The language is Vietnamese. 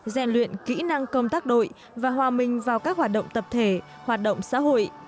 rèn luyện kỹ năng công tác đội và hòa minh vào các hoạt động tập thể hoạt động xã hội